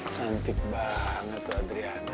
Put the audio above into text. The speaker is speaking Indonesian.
cantik banget tuh adriana